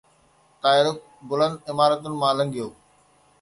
طائرڪ بلند عمارتن مان لنگھيو